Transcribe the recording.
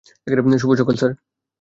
শুভ সকাল স্যার।